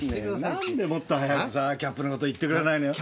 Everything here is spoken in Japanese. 何でもっと早くさキャップの事言ってくれないのよ。